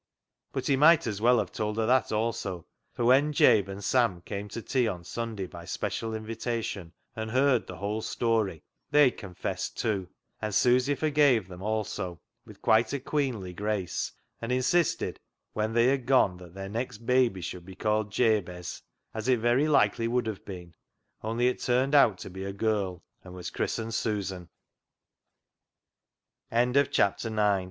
But he might as well have told that also, for when Jabe and Sam came to tea on Sunday by special invitation and heard the whole story, they confessed too, and Susy forgave them also with quite a queenly grace, and insisted when they had gone that their next baby should be called Jabez — as it very likely would have been, only it turned out to be a girl, and was christened